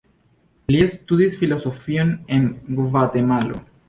Li studis filozofion en Gvatemalo.